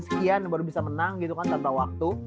sekian baru bisa menang gitu kan tanpa waktu